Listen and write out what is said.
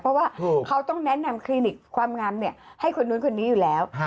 เพราะว่าเขาต้องแนะนำคลินิกความงามให้คนนู้นคนนี้อยู่แล้ว